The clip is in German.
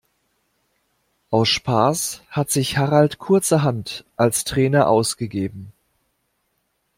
Aus Spaß hat sich Harald kurzerhand als Trainer ausgegeben.